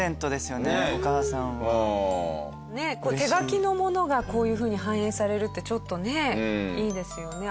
手書きのものがこういうふうに反映されるってちょっとねいいですよね。